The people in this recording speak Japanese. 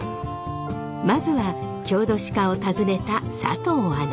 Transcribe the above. まずは郷土史家を訪ねた佐藤アナ。